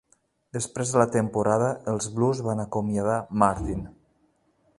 Després de la temporada, els Blues van acomiadar Martin.